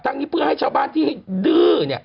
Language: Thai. ทั้งนี้เพื่อให้ชาวบ้านที่ดื้อเนี่ย